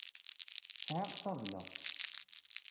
Sɛiɣ ṭṭabla.